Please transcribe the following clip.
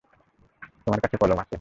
তোমার কাছে কলম আছে?